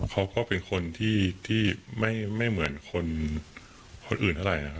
เขาก็เป็นคนที่ไม่เหมือนคนอื่นเท่าไหร่นะครับ